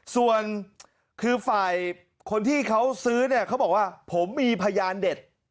ส่วนคือฝ่ายคนที่เขาซื้อเนี่ยเขาบอกว่าผมมีพยานเด็ด